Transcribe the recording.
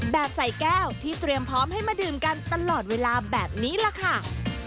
แบบใส่แก้วที่เตรียมพร้อมให้มาดื่มกันตลอดเวลาแบบนี้ล่ะค่ะ